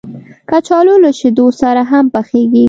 کچالو له شیدو سره هم پخېږي